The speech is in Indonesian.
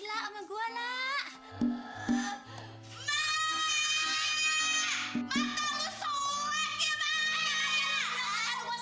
tuhan tuhan tuhan tuhan